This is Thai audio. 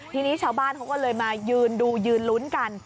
ทีนี้ชาวบ้านเขาก็เลยมายืนดูยืนลุ้นกัน